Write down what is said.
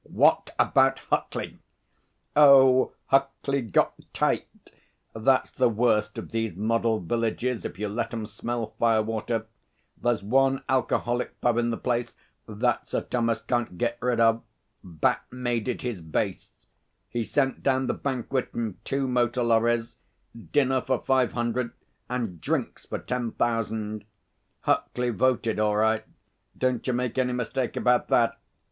What about Huckley?' 'Oh, Huckley got tight. That's the worst of these model villages if you let 'em smell fire water. There's one alcoholic pub in the place that Sir Thomas can't get rid of. Bat made it his base. He sent down the banquet in two motor lorries dinner for five hundred and drinks for ten thousand. Huckley voted all right. Don't you make any mistake about that.